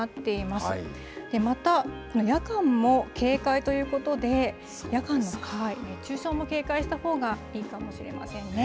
また、夜間も警戒ということで、夜間の熱中症も警戒したほうがいいかもしれませんね。